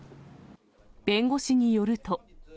弁護士によると。